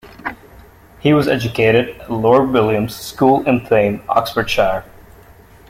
He was educated at Lord Williams's School in Thame, Oxfordshire.